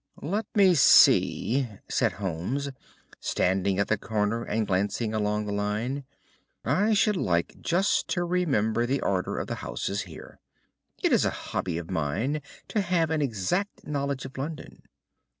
"Let me see," said Holmes, standing at the corner and glancing along the line, "I should like just to remember the order of the houses here. It is a hobby of mine to have an exact knowledge of London.